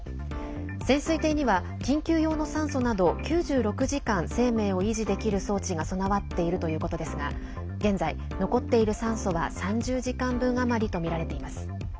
潜水艇には緊急用の酸素など９６時間生命を維持できる装置が備わっているということですが現在、残っている酸素は３０時間分余りとみられています。